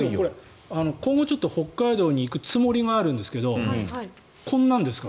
今後北海道に行くつもりがあるんですけどこんなんですか？